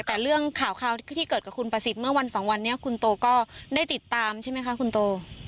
แต่เรื่องข่าวที่เกิดกับคุณประสิทธิ์เมื่อวันสองวันนี้คุณโตก็ได้ติดตามใช่ไหมคะคุณโต